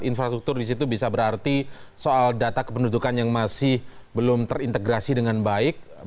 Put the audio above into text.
infrastruktur di situ bisa berarti soal data kependudukan yang masih belum terintegrasi dengan baik